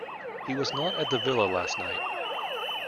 He was not at the villa last night.